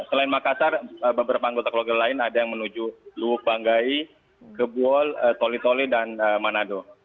selain makassar beberapa anggota keluarga lain ada yang menuju luwuk banggai kebuol toli toli dan manado